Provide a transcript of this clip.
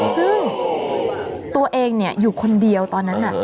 ซึ่งตัวเองอยู่คนเดียวตอนนั้น